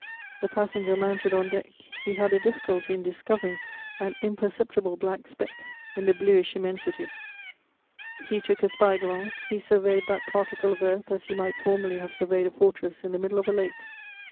The passenger mounted on deck: he had a difficulty in discovering an imperceptible black speck in the bluish immensity; he took a spy glass: he surveyed that particle of earth as he might formerly have surveyed a fortress in the middle of a lake.